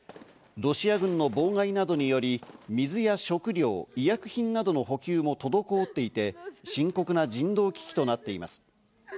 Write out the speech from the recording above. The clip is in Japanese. ロシア軍の妨害等により水や食料、医薬品などの補給も滞っていて、深刻な人道危機となっています。